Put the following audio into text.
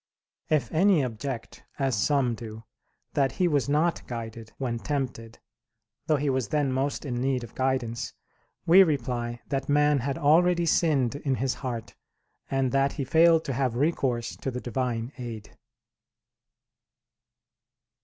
If any object, as some do, that he was not guided, when tempted, though he was then most in need of guidance, we reply that man had already sinned in his heart, and that he failed to have recourse to the Divine aid.